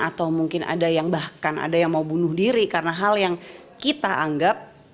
atau mungkin ada yang bahkan ada yang mau bunuh diri karena hal yang kita anggap